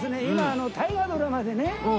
今あの大河ドラマでね